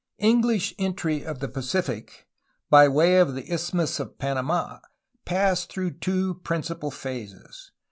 English entry of the Pacific by way of the Isthmus of Panamd passed through two principal phases.